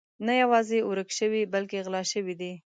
نه یوازې ورک شوي بلکې غلا شوي دي.